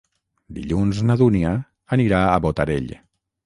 Dilluns na Dúnia anirà a Botarell.